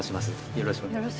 よろしくお願いします。